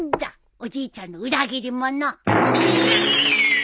おじいちゃんの裏切り者。